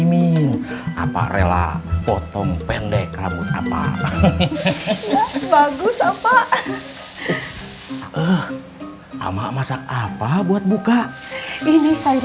minggir apa rela potong pendek rambut apa hehehe bagus apa eh ama masak apa buat buka ini sayur